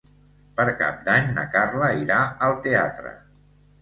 Per Cap d'Any na Carla irà al teatre.